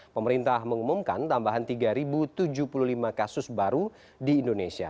pemerintah mengumumkan tambahan tiga tujuh puluh lima kasus baru di indonesia